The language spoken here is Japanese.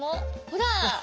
ほら！